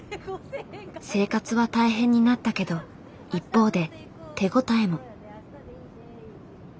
生活は大変になったけど一方で手応えも。